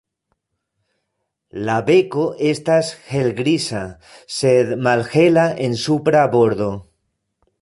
La beko estas helgriza, sed malhela en supra bordo.